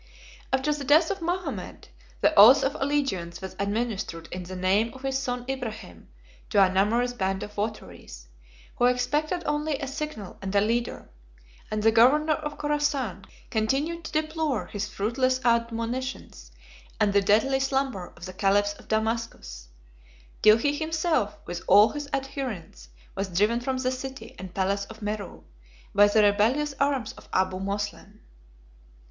After the death of Mohammed, the oath of allegiance was administered in the name of his son Ibrahim to a numerous band of votaries, who expected only a signal and a leader; and the governor of Chorasan continued to deplore his fruitless admonitions and the deadly slumber of the caliphs of Damascus, till he himself, with all his adherents, was driven from the city and palace of Meru, by the rebellious arms of Abu Moslem.